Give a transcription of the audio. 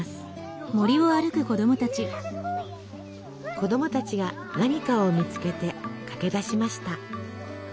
子どもたちが何かを見つけて駆けだしました。